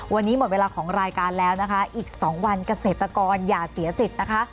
วันนี้หมดเวลาของรายการแล้วนะคะอีก๒วันเกษตรกรอย่าเสียสิทธิ์นะคะ